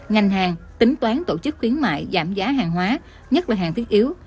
ngành hàng tính toán tổ chức khuyến mại giảm giá hàng hóa nhất là hàng thiết yếu